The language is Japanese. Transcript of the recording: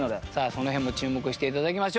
その辺も注目して頂きましょう。